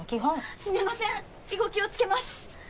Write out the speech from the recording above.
すみません以後気をつけます！